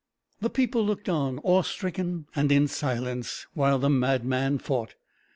The people looked on awe stricken, and in silence, while the madman fought.